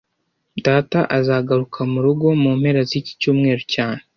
Data azagaruka murugo mu mpera ziki cyumweru cyane